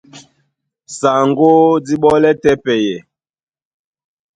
Saŋgó dí ɓɔ́lɛ́ tɛ́ pɛyɛ,